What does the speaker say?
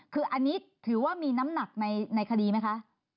คืออันนี้ถือว่ามีน้ำหนักในคดีไหมคะ